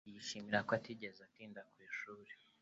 Yishimira ko atigeze atinda ku ishuri.